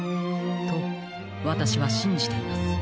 とわたしはしんじています。